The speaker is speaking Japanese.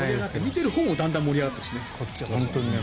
見ているほうもだんだん盛り上がってくるしね。